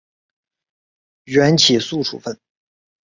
缓起诉处分。